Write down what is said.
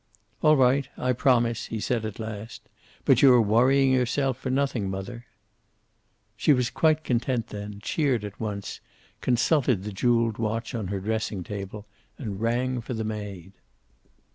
"All right. I promise," he said at last. "But you're worrying yourself for nothing, mother." She was quite content then, cheered at once, consulted the jewelled watch on her dressing table and rang for the maid.